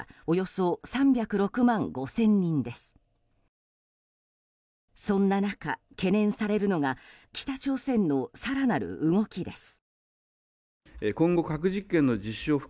そんな中、懸念されるのが北朝鮮の更なる動きです。